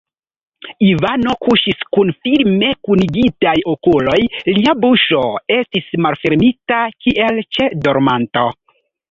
Ivano kuŝis kun firme kunigitaj okuloj; lia buŝo estis malfermita, kiel ĉe dormanto.